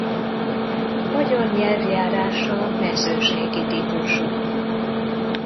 Magyar nyelvjárása mezőségi típusú.